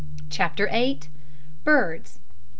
CHAPTER EIGHT. BIRDS.